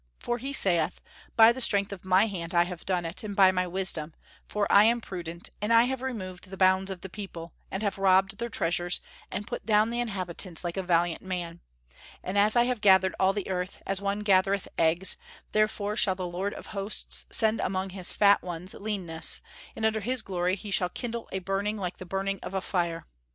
For he saith, By the strength of my hand I have done it, and by my wisdom; for I am prudent, and I have removed the bounds of the people, and have robbed their treasures, and put down the inhabitants like a valiant man: and as I have gathered all the earth, as one gathereth eggs, therefore shall the Lord of Hosts send among his fat ones leanness, and under his glory He shall kindle a burning like the burning of a fire."